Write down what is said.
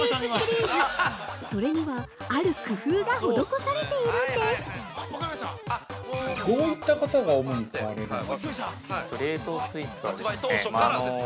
それにはある工夫が施されているんです。